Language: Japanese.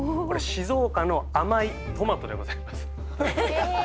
静岡の甘いトマトでございます。